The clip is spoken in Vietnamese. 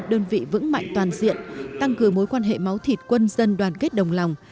đơn vị vững mạnh toàn diện tăng cường mối quan hệ máu thịt quân dân đoàn kết đồng lòng